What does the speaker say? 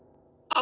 あ！